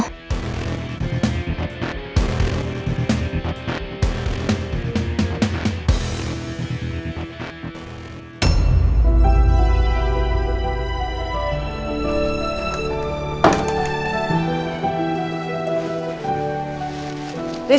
sampai kapanpun ini gue bisa